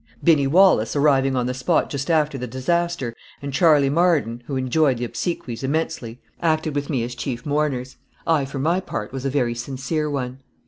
Binny Wallace, arriving on the spot just after the disaster, and Charley Marden (who enjoyed the obsequies immensely), acted with me as chief mourners. I, for my part, was a very sincere one.